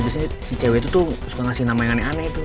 biasanya si cewek itu tuh suka ngasih nama yang aneh aneh tuh